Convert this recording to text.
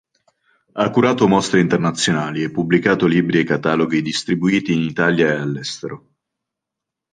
Ha curato mostre internazionali e pubblicato libri e cataloghi distribuiti in Italia e all'estero.